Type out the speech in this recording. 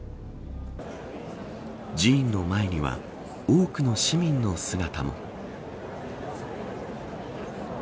寺院の前には多くの市民の姿も。